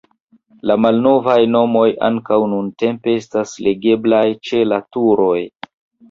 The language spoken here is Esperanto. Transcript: La malnovaj nomoj ankaŭ nuntempe estas legeblaj ĉe la turoj.